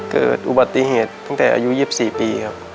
เกิดอุบัติเหตุตั้งแต่อายุ๒๔ปีครับ